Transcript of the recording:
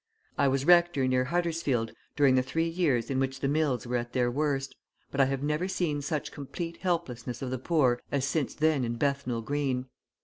I was rector near Huddersfield during the three years in which the mills were at their worst, but I have never seen such complete helplessness of the poor as since then in Bethnal Green.